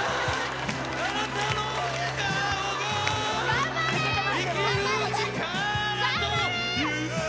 頑張れ！